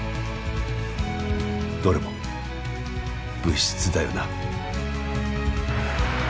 どれも「物質」だよな。